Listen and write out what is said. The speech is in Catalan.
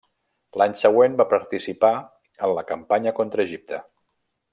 L'any següent van participar en la campanya contra Egipte.